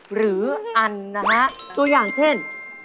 หรืออันนะฮะตัวอย่างเช่น